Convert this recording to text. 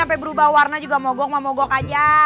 sampai berubah warna juga mogok memogok aja